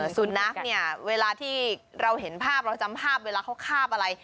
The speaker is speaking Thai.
สุนัขเนี่ยเวลาที่เราเห็นภาพเราจำภาพเวลาเขาคาบอะไร